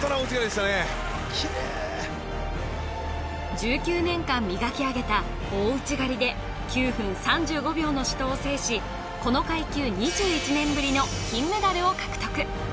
１９年間磨きあげた大内刈で９分３５秒の死闘を制しこの階級２１年ぶりの金メダルを獲得